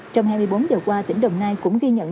trong hai mươi bốn giờ qua tỉnh đồng nai cũng ghi nhận